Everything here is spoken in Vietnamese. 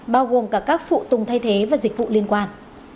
bao gồm cả các phụ tùng thay thế và dịch vụ liên quan